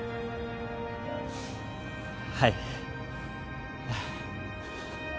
はい。